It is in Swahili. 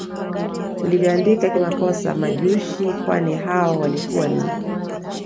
ulivyoandika kimakosa Majushi kwani hao walikuwa ni